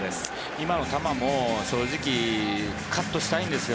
今の球も正直、カットしたいんですよ。